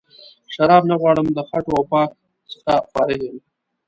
شراب نه غواړم له خټو او پاک څخه فارغ یم.